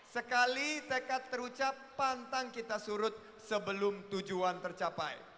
sekali tekad terucap pantang kita surut sebelum tujuan tercapai